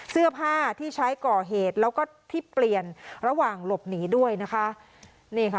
เสื้อผ้าที่ใช้ก่อเหตุแล้วก็ที่เปลี่ยนระหว่างหลบหนีด้วยนะคะนี่ค่ะ